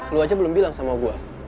lu aja belum bilang sama gue